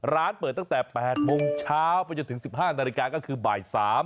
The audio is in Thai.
ร้านเปิดตั้งแต่๘โมงเช้าไปจนถึง๑๕นาฬิกาก็คือบ่าย๓